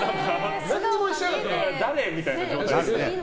誰？みたいな状態ね。